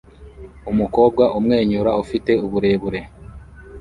Umukobwa umwenyura ufite uburebure